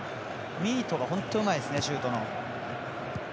ミートが本当、うまいですねシュートの。